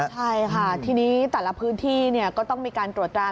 ใช่ค่ะทีนี้แต่ละพื้นที่ก็ต้องมีการตรวจตรา